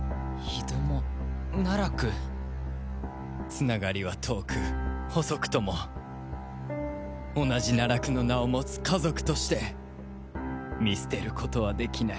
繋がりは遠く細くとも同じナラクの名を持つ家族として見捨てることはできない。